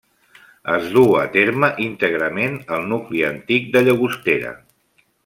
Es duu a terme íntegrament al nucli antic de Llagostera.